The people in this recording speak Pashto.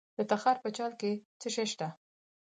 د تخار په چال کې څه شی شته؟